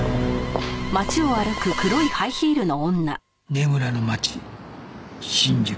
眠らぬ街新宿